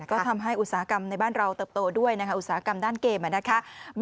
ก็ทำให้อุตสาหกรรมในบ้านเราเติบโตด้วยนะคะอุตสาหกรรมด้านเกมนะคะ